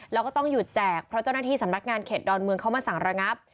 แล้วก็ต้องหยุดแจกเพราะเจ้าหน้าที่สำนักงานเขตดอนเมืองเข้ามาสั่งระงับ